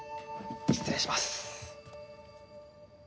失礼します。